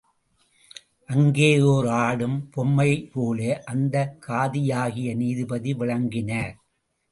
அங்கே ஓர் ஆடும் பொம்மைபோல அந்தக் காதியாகிய நீதிபதி விளங்கினார்.